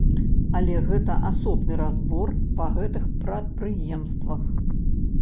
Але гэта асобны разбор па гэтых прадпрыемствах.